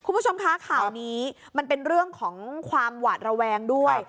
คุณผู้ชมคะข่าวนี้มันเป็นเรื่องของความหวาดระแวงด้วย